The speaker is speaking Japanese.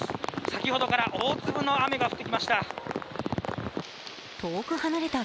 先ほどから大粒の雨が降ってきました。